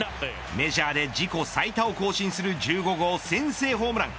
メジャーで自己最多を更新する１５号先制ホームラン。